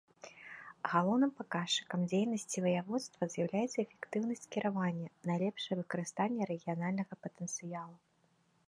Галоўным паказчыкам дзейнасці ваяводства з'яўляецца эфектыўнасць кіравання, найлепшае выкарыстанне рэгіянальнага патэнцыялу.